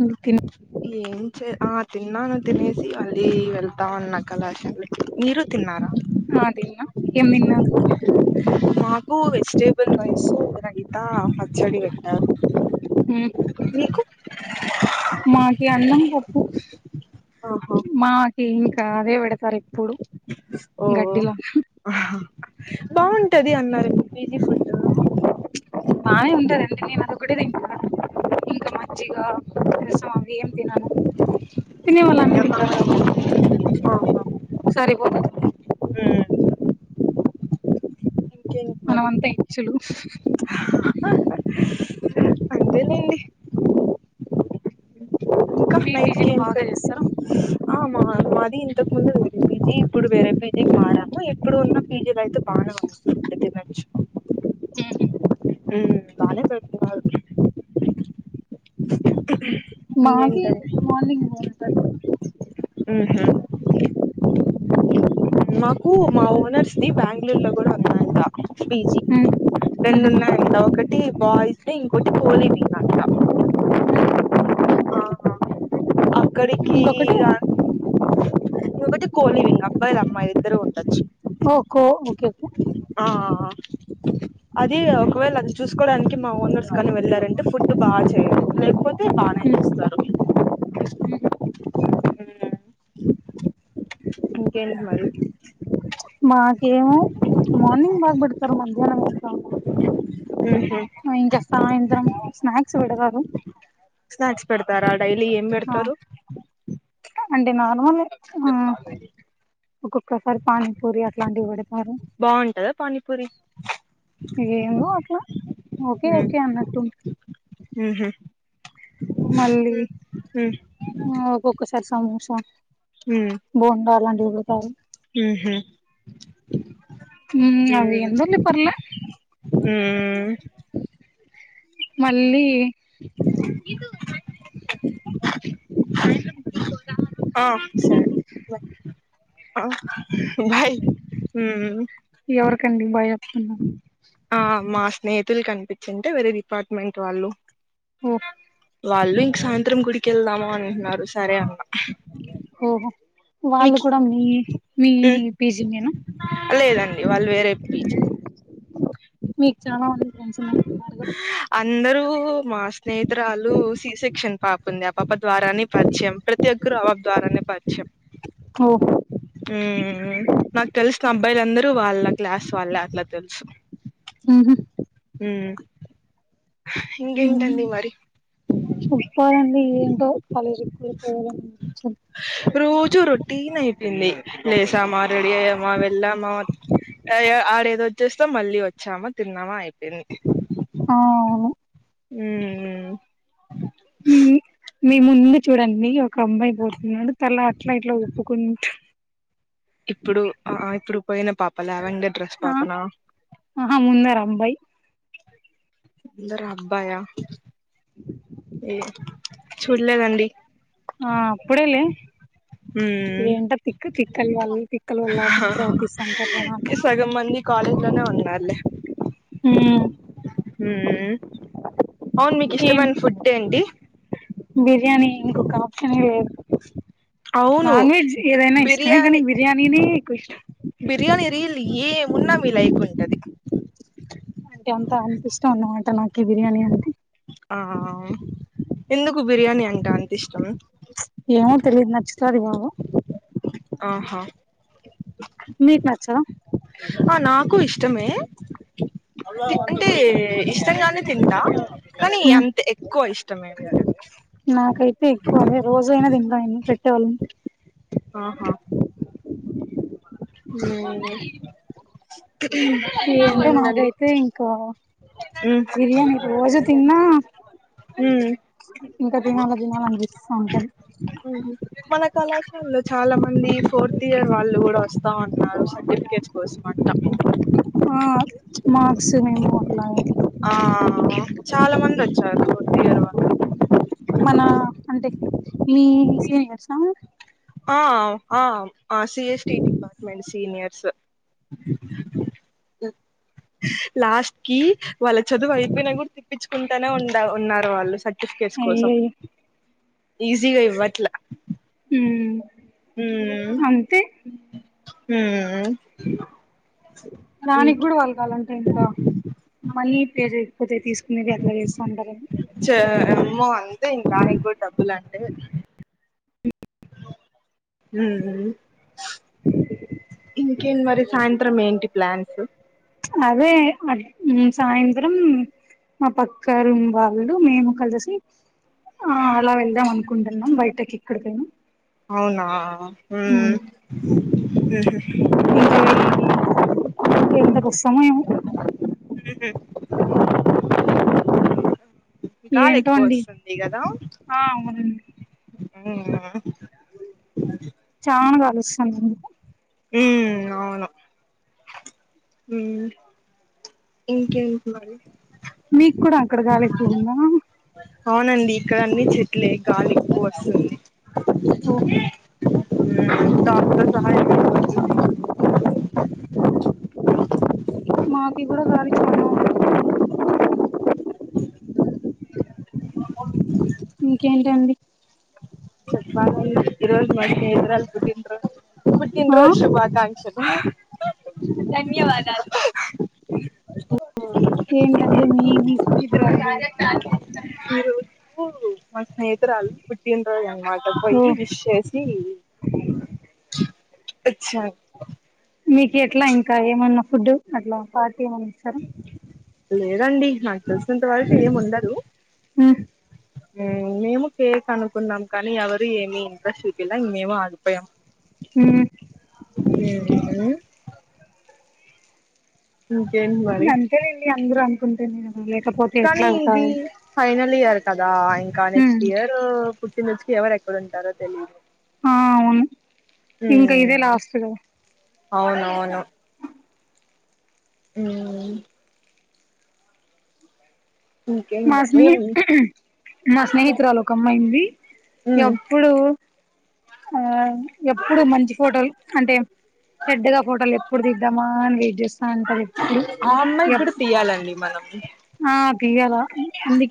మ్ తిన్నా ఏం చే ఆ తిన్నాను తినేసి మళ్ళీ వెళ్తాన్నా కళాశాల కి మీరు తిన్నారా? ఆ తిన్నా ఏం తిన్నారు మాకు వెజటేబల్ రైస్ ఉందండి. అంతా పచ్చడి పెట్టారు. హు మీకు? మాకి అన్నం, పప్పు. ఆహా మాకి ఇంకా అదే పెడతారు ఎ ఓ ఓ బావుంటది అన్నారే మీ పీజీ ఫుడ్. బానే ఉంటదండి నేను అదొకటే తింటా. ఇంకా మజ్జిగా రసం అవి ఏం తినను తినే వాళ్ళు అన్ని తింటారు కాబ ఆహా సరిపోతది. మ్మ్. ఇంకేంటి మరి మనమంతా హెచ్చులు. అంతేలేండి. ఇంకా మీ నైట్కి పీజీలో ఎం పె బాగా చేస్తారా ఆ మా మాది ఇంతకుముందు వేరే పీజీ ఇప్పుడు వేరే పీజీకి మారాము. ఇప్పుడు ఉన్న పీజీలో అయితే బానే వస్ మ్ బానే పెడుతున్నారు. మావి ఇంకేంటండి మార్నింగ్ హోమ్ సర్వీస్. ఉహ్ మాకు మా ఓనర్స్ది బ్యాంగళూర్లో కూడా ఉందంట పీజీ. హ్మ్ హుహు రెండున్నాయంట ఒకటి బాయ్స్ ది, ఇంకోటి కోలీవింగ్ అంట. ఆహా అక్కడికి ఇంకొకటి ఇగ ఇంకోటి కోలీవింగ్ అబ్బాయిలు, అ మ్మాయిలు ఇద్దరు ఉండచ్చు. ఓ కో ఓకే ఒకే ఆ ఆ అది ఒకవేళ అది చూసుకోవడానికి మా ఓనర్స్ కాని వెళ్ళారంటే ఫుడ్ బాచెయ్యరు లేకపోతే బానే చేస్తరు. ఉహ్ ఇంకేంటి మరి? మాకేమో మార్నింగ్ బాగ పెడతారు మధ్యానం ఉహు [inaudible] ఆ ఇంకా సాయంత్రం స్నాక్స్ పెడతరు. స్నాక్స్ పెడతారా డైలీ ఏం ఆ పెడతరు? అంటే నార్మలే. ఆ ఒక్కొక్కసారి పానీపూరి అట్లాంటివి పెడతారు. బావుంటదా పానీపూరి. ఏమో అట్లా ఓకే ఓకే అన్నట్టు ఉం ఉహ్ ఒక్కసారి సమోసా హ్మ్ బోండా అలాంటివి పెడతారు ఊ అవి ఎంరుల్లి పర్లే. హ్ మళ్ళీ [inaudible] ఆ సరే బాయ్ ఆ బాయ్ హ్మ్. ఎవరిక అండి బాయ్ అత్ప్తుము ఆ మా స్నేహితులు కనిపించింటే వేరే డిపార్ట్మెంట్ వాళ్ళు ఉ వాళ్ళు ఇంక సాయంత్రం గుడికి వెళ్దాము అని అంటు ఉన్నారు సరే అన్నా ఓహో వాళ్ళు కూడా మీ మీ పిజీంగేనా లేద అండి వాళ్ళు వేరే పిజీంగ్ మీకు చాలా మంది ఫ్రెండ్స్ ఉన్నార్ న్నారుగ అందరూ మా స్నేహితురాలు సి సెక్షన్ పాప ఉంది ఆ పాప ద్వారానే పరిచయం ప్రతి ప్రతి ఒక్కరు అవ్యాగ్ ద్వారానే పరిచయం ఓహ్ ఉమ్ నాకు తెలిసిన అబ్బాయిలు అందరూ వాళ్ళ క్లాస్ వాళ్ళే అట్లా తెలుసు ఉహు మ్ మ్ మరి చేప్పాల అండి ఏంటో కాలేజీకి వెళ్ళిపోవాలని రోజు రొటీన్ అయిపోయింది లేసామా రెడీ అయ్యామా వెళ్ళామా వ టైఆడేదో వచ్చేస్తామ్ మళ్ళీ వచ్చామా తిన్నామా అయిపోయింది ఆ అవును ఉమ్ మీ ము మీ ముందు చూడ అండి ఒక అమ్మాయి పోతుంది అంటే తల అట్లా ఇట్లా ఊపుకుంటు ఇప్పుడు ఆఅ ఇప్పుడు పోయిన పాప లావెండర్ డ్రెస్ ఆ పాపనా ఆహా ముందర అబ్బాయి ముందర అబ్బాయా [unintelligible] [inaudible] ఏ చూడలేద అండి ఆ అప్పుడేలే ఉమ్ ఏంటో తిక్క తిక్కల వల్ల తిక్కలల్లో ప్రవర్తిస్తు ఉంటారు జనాలు సగం మంది కాలేజ్ లోనే ఉన్నారులే ఉమ్ మ్ అవును మీకు ఏం ఇష్టమైన ఫుడ్ ఏంటి బిర్యానీ ఇంకొక ఆప్షనే లేదు అవును నాన్ వెజ్ ఏదైనా ఇష్టమే కానీ బిర్యానీ బిర్యానీ నే ఎక్కువ ఇష్టం బిర్యానీ రీల్ ఏమున్నా మీ లైక్ ఉంట అది అంటే అంత అంత ఇష్టం అన్నమాట నాకీ ఈ బిర్యానీ అంటే ఆహా ఎందుకు బిర్యానీ అంటే అంత ఇష్టం ఏమో తెలియద్ నచ్చుతారు బాగు ఆహా మీకు నచ్చదా ఆ నాకు ఇష్టమే అంటే ఇష్టంగానే తింటా కానీ ఉమ్ అంత ఎక్కువ ఇష్టమే నాకైతే ఎక్కువ అదే రోజు అయినా తింట అండి పెట్టేవాళ్ళు ఉంటే ఆహా ఉమ్ ఈ ఏండ నాదై అయితే ఇంకా బిర్యానీ రోజు తిన్నా ఉమ్ ఇంకా దినాల దినాల అనిపిస్తా ఉంటా అది ఉమ్ మన కళాశాలలో చాలా మంది ఫోర్త్ ఇయర్ వాళ్ళు కూడా వస్తా ఉన్నారు. ర్టిఫికెట్ కోస్మంట ఆ మార్క్స్ మేము అట్లా ఆ చాలా మందొచ్చారు మనా అంటే మీ సీనియర్సా ఆవ్ ఆమ్ సిఎస్టి డిపర్మెంట్ సీనియర్స్ లాస్ట్కి వాళ్ళ చదువు వైపొనా గుడ తి ప్పించుకుంటానే ఉండావ్ ఉన్నారు వాళ్ళు సర్టిఫికెట్స్ కోసం అయ్యయ్యో ఈజీగా ఇవ్వట్లా హూమ్ అంతే హూ దానిగ్గుడ వాల్గాలంటే ఇంకా మనీ పే జేయక్పోతే తీస్ మీరె అట్ల జేస్తాంటరేమో చే మ్మో అంతే ఇంక దానిగ్గుడ్ డబ్బులంటే ఊ [unintelligible] ఇంకేంద్ మరి సాయంత్రం ఏంటి ప్లాన్సు అవ్వే అవి మ్ సాయంత్రం మా పక్క రూమ్ వాళ్ళు మేము కలసి ఆ అలా వెళ్దాం అనుకుం ఉన్నాం బయటకి ఇక్కడికైన అవునా హూమ్ ఉహు ఇంక వెళ్ళి ఎంతకొస్తామొ ఏమో [unintelligible] ఈ గాలెక్కువొస్తుంది గదా హా అవున్ వూన చానా గాలొస్తాందెందుకో ఊ అవును ఉ ఇంకేంట్ మరి మీక్కుడ అక్కడ గాలెక్కువుందా అవునండి ఇక్కడ అన్ని చెట్లే గాలి ఎక్కువస్తుంది హో [unintelligible] సహా మాకి గూడ గాలి చానా ఉంది ఇంకేంటండి చొప్పాలీ ఇ రోజ్ మా స్నేహితురాల్ పుట్టిన్ రోజ్ పుట్టిన్ ఆ రోజై శుభాకాంక్షలు ఏంటండీ మీ మీ స్నేహితురాల్ది ఈరోజు మా స్నేహితురాల్ది పుట్టిన్రోజన్మా ఇంక ఓ పొయ్యి విష్ చేసి వొచ్చా మీకి ఎట్లా ఇంకా ఏమన్నా ఫుడ్డు అట్లా పార్టీ ఏమన్న ఇస్తర లేదండి నాక్ తెల్సినంత వరకు ఏముండదు ఉమ్ ఉ మేము కేక్ అనుకున్నాం కానీ ఎవరు ఏమి ఇంట్రెస్ట్ చూపిలా ఇంగ్ మేము ఆగిపోయాం హ హూ నేను కాదు ఇంకేంటి మరి అంతేలేండి అందరు అనుకుంటే నేను లేకపో కానీ ఇది ఫైనల్ ఇయర్ కదా ఇంకా ఉమ్ నెక్స్ట్ ఇయర్ పుట్టిన్ రోజ్కి ఎవరెక్కడుంటారో తెలీదు ఆ అవును ఇంకా ఇదే హ్మ్ లాస్ట్ కదా అవునవును మ్మ్ ఇంకేం మా ఏం స్నేహి మా స్నేహితురాలు ఒక అమ్మాయి ఉంది ఉమ్ ఎప్పుడు ఆ ఎప్పుడు మంచి ఫోటోలు అంటే చెడ్డగా ఫోటలు ఎప్పుడు తీద్దామా అని వెయిట్ చేస్తా ఉంటది ఎప్పుడు ఎప్ కాలండి మనం ఆ తీయాల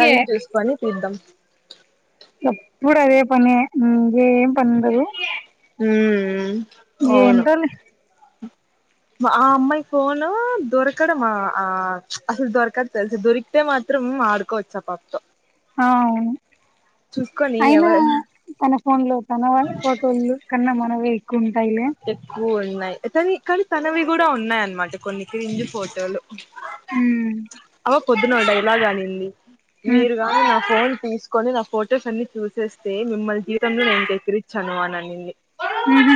టైం చూసుకొని తీద్దాం ఎప్పుడు అదే పని ఇగేం హ్మ్ అవును ఏంటోలే మా ఆ అమ్మాయి ఫోను దొరకడమా ఆ అసలు దొరకద్ తెలిసి దొరికితే మాత్రం ఆడుకోవచ్చు ఆ పాపతో ఆ అవున్ చూసుకొని ఎవర్ తన ఫోన్ లో తన ఫోటోలు కన్నా మనవే ఎక్కువ ఉంటాయిలే ఉన్నాయి తని కానీ తనవి కూడా ఉన్నాయి అన్నమాట కొన్ని క్రింజ్ ఫోటోలు. హుమ్ అవ పొద్దున డైలాగ్ అనింది ఉమ్ మీరు గాని నా ఫోన్ తీస్ కొని నా ఫొటోస్ అన్ని చేసేస్తే మిమ్మని జీవితంలో నేను దగ్గరిచ్చాను అని అన్నింది. మ్మ్ హు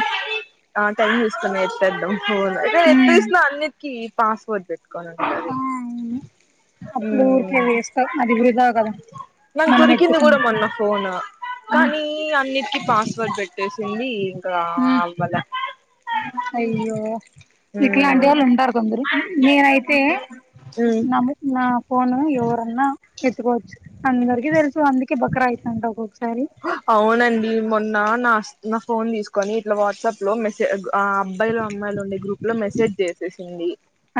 ఆ టైం చూస్తున్నా ఎత్తేద్దాం ఫోను అరే ఉమ్ ఎత్తేసినా అన్నిటికి ఈ పాస్వర్డ్ పెట్ కొనింటది ఆ అవును అప్పుడు ఊరికే వేస్తా అది వృధా కదా నాకు మనం దొరికింది ఎత్తుకుని కూడా మొన్న ఫోను, ఉమ్ కానీ అన్నిటికీ పాస్. వర్డ్ పెట్టేసింది ఇంకా ఉమ్ అవ్వలా అయ్యో ఇట్లాంటి వాళ్ళు మ్మ్ ఉంటారు కొందరు నేనైతే మ్మ్ నమ్ నా ఫోను ఎవరన్నా ఎత్తుకోవచ్చు అందరికి తెలుసు అందు కె బకరా అయితా ఉంట ఒక్కొక్కసారి అవునండి మొన్న నాస్ నా ఫోన్ తీసుకొని ఇట్లా వాట్సాప్ లో మెసే ఆ అబ్బాయిలు, అమ్మాయిలు ఉండే గ్రూప్ లో మెసేజ్ చేసేసింది.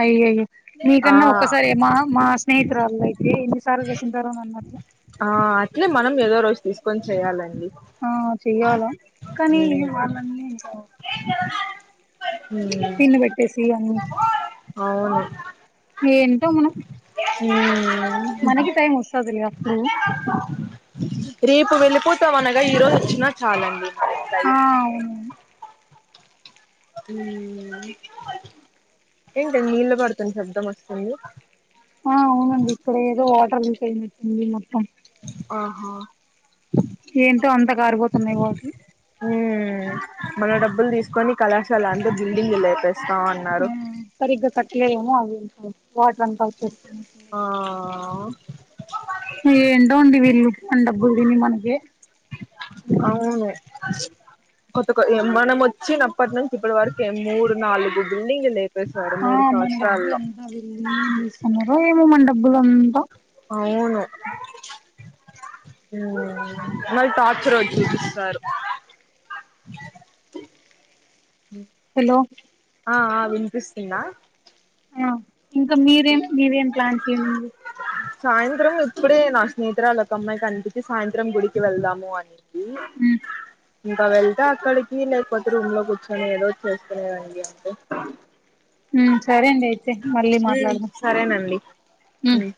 అయ్యోయ్యో ఆ మీకన్నా ఒక్కసారే మా మా స్నేహితురాలు అయితే సార్లు చేసింటారో నన్ మధ్య ఆ అట్లే మనం ఏదో రోజ్ తీసుకొని చేయాలండి ఆ చెయ్యాలా కానీ హ్మ్ వాళ్ళన్నీ ఇంకా ఆ తిన్న పెట్టేసి ఇయ్యి అన్నీ అవును ఏంటో మనం హు మనకి హ్మ్ టైం వస్తదిలే అప్పుడు రేపు వెళ్ళిపోతాం అనగా ఈ రోజు వచ్చినా చాలండి టైం. ఆ అవును ఏంటి నీళ్ళు పడుతున్ శబ్దం వస్తుంది ఆ అవునండి ఇక్కడేదో వాటర్ లీక్ అయినట్టుంది మొత్తం ఆహ ఏంటో అంత కారిపోతున్నాయి వాట్రు ఉమ్ మన డబ్బులు తీసుకోని కళాశాల అంతా బిల్డింగ్ లేపేస్తా ఉన్నారు సరిగ్గా కట్లేమో అది వాటర్ అంతా వచ్చేస్తున్నాయ్ ఆ ఆవ్ ఏంటో అండి వీళ్లు మన డబ్బులు తిని మనకే అంత అవునులే కొత్త కో మనం వచ్చినప్పటి నుంచి ఇప్పటి వరకె మూడు నాలుగు బిల్డింగ్ లే పేసినారు ఆ మూడు మన డబ్బులు సంవత్సరాల్లో అంతా ఏం చేస్సన్నారో ఏమో మన డబ్బులు అంతా అవును మ్మ్ మళ్ళీ టార్చర్ రోజు ఇంకేంటండి చూపిస్తారు హెలో ఆ ఆ విన్పిస్తుందా ఆ ఇంకా మీరేం మీరేం ప్లాన్ చేంజ్ సాయంత్రం ఇప్పుడే నా స్నేహితురాలు ఒక అమ్మాయి కనిపించి సాయంత్రం గుడికి వెళ్దాము అని ఆ ఇంకా వెళ్తే అక్కడికి లేకపోతే రూమ్ లో కూర్చొని ఏదో చేసుకునేదాన్ని అంటే హ్మ్ సరే అండి అయితే మళ్ళీ ఉమ్ మాట్లాడుదాం సరేనండి ఉమ్